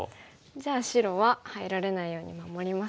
じゃあ白は入られないように守りますか。